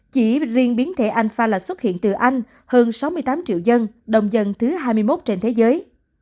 chỉ riêng biến thể anh fala xuất hiện từ anh hơn sáu mươi tám triệu dân đông dân thứ hai mươi một trên thế giới